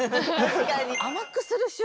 確かに。